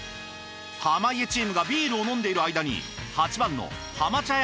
濱家チームがビールを飲んでいる間に８番の浜茶屋